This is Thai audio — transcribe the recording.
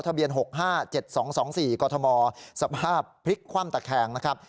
ทะเบียน๖๕๗๒๒๔กรทมสภาพพลิกคว่ำตะแคงนะครับ